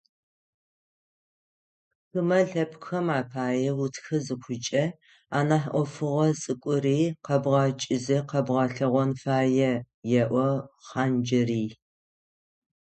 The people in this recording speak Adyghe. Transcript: «Хымэ лъэпкъхэм апае утхэ зыхъукӏэ, анахь ӏофыгъо цӏыкӏури кӏэбгъэкӏызэ къэбгъэлъэгъон фае», - еӏо Хъанджэрый.